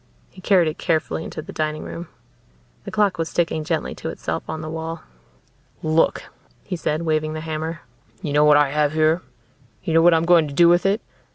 He carried it carefully into the dining room. The clock was ticking gently to itself on the wall. "Look," he said, waving the hammer. "You know what I have here? You know what I'm going to do with it?